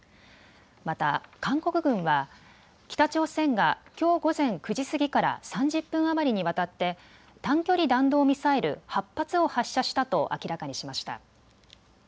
また韓国軍は北朝鮮がきょう午前９時過ぎから３０分余りにわたって短距離弾道ミサイル８発を発射したと明らかにしました。